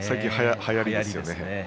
はやりですね。